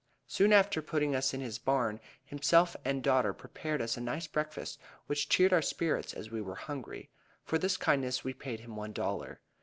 "Soon after putting us in his barn, himself and daughter prepared us a nice breakfast, which cheered our spirits, as we were hungry. For this kindness we paid him one dollar.